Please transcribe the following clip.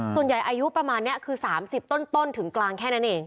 อายุประมาณนี้คือ๓๐ต้นถึงกลางแค่นั้นเอง